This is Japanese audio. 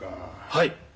はい。